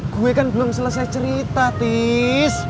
gue kan belum selesai cerita tis